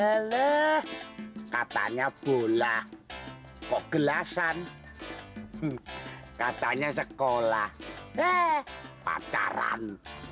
leh katanya bola kok gelasan katanya sekolah pacaran